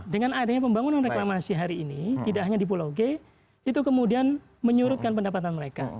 dengan adanya pembangunan reklamasi hari ini tidak hanya di pulau g itu kemudian menyurutkan pendapatan mereka